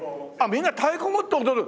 みんな太鼓を持って踊る？